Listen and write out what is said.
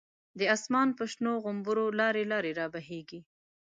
د آسمان په شنو غومبرو، لاری لاری رابهیږی